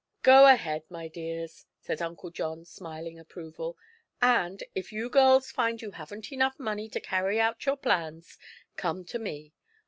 "Go ahead, my dears," said Uncle John, smiling approval. "And, if you girls find you haven't enough money to carry out your plans, come to me."